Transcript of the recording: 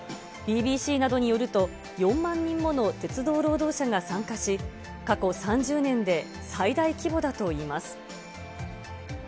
ＢＢＣなどによると、４万人もの鉄道労働者が参加し、過去３０年で最大規模だといいます。